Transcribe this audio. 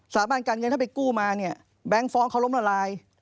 สาบานการเงินถ้าไปกู้มาเนี่ยแบงค์ฟ้องเขาล้มละลาย